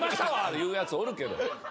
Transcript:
いうやつおるけど。